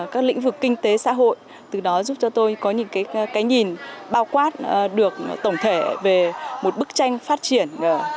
các lĩnh vực kinh tế xã hội từ đó giúp cho tôi có những cái nhìn bao quát được tổng thể về một bức tranh phát triển